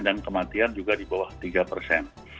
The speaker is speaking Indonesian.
dan kematian juga di bawah tiga persen